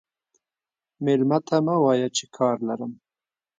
مېلمه ته مه وایه چې کار لرم.